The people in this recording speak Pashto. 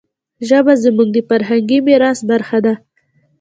ژبه زموږ د فرهنګي میراث برخه ده.